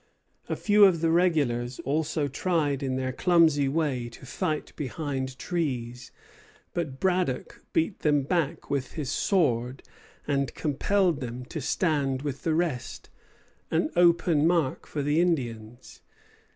A few of the regulars also tried in their clumsy way to fight behind trees; but Braddock beat them with his sword, and compelled them to stand with the rest, an open mark for the Indians.